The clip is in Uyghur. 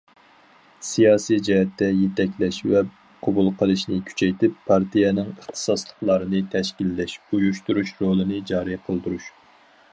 سىياسىي جەھەتتە يېتەكلەش ۋە قوبۇل قىلىشنى كۈچەيتىپ، پارتىيەنىڭ ئىختىساسلىقلارنى تەشكىللەش، ئۇيۇشتۇرۇش رولىنى جارى قىلدۇرۇش.